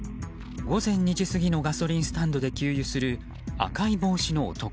午前２時過ぎのガソリンスタンドで給油する赤い帽子の男。